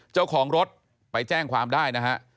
เจ้าของรถไปแจ้งความได้นะฮะ